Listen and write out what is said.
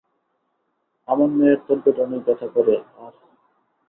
আমার মেয়ের তলপেটে অনেক ব্যথা করে আর।